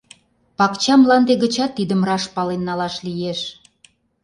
Пакча мланде гычат тидым раш пален налаш лиеш.